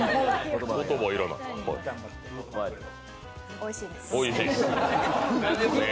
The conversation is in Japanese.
おいしいです！